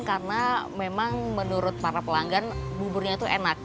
karena memang menurut para pelanggan buburnya itu enak